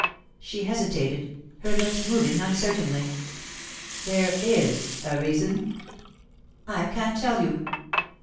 She hesitated, her lips moving uncertainly. "There is a reason?" "I can't tell you."